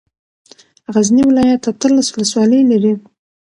غزني ولايت اتلس ولسوالۍ لري.